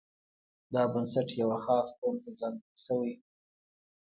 دا بنسټ یوه خاص قوم ته ځانګړی شوی.